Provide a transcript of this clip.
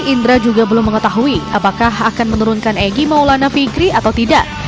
indra juga belum mengetahui apakah akan menurunkan egy maulana fikri atau tidak